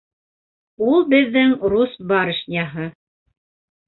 Ул беҙҙең рус барышняһы.